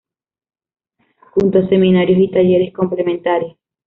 Junto a seminarios y talleres complementarios.